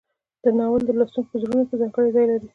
دا ناول د لوستونکو په زړونو کې ځانګړی ځای لري.